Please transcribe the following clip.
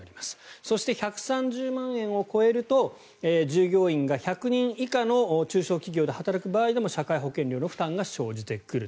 そして、１３０万円を超えると従業員が１００人以下の中小企業で働く場合にも社会保険料の負担が生じてくると。